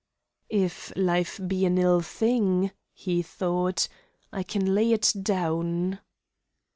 "If life be an ill thing," he thought, "I can lay it down!"